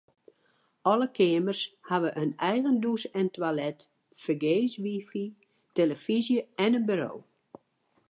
Alle keamers hawwe in eigen dûs en toilet, fergees wifi, tillefyzje en in buro.